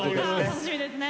楽しみですね。